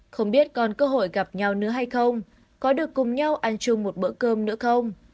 không biết con cơ hội gặp nhau nữa hay không có được cùng nhau ăn chung một bữa cơm nữa không